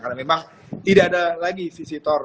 karena memang tidak ada lagi visitor